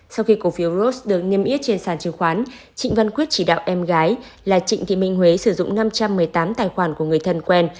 sau khi cổ phiếu ross được niêm yết trên sản chứng khoán trịnh văn quyết chỉ đạo em gái là trịnh thị minh huế sử dụng năm trăm một mươi tám tài khoản của người thân quen